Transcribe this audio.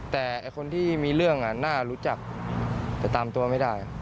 แต่คนที่มีเรื่องน่ารู้จักแต่ตามตัวไม่ได้